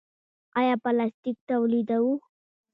آیا پلاستیک تولیدوو؟